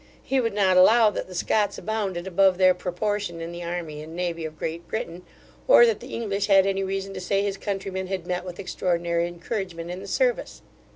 He would not allow that the Scots abounded above their proportion in the army and navy of Great Britain, or that the English had any reason to say his countrymen had met with extraordinary encouragement in the service.